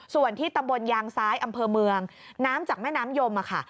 ส่วนที่ตำบลยางซ้ายอำเภอเมืองน้ำจากแม่น้ำยมค่ะ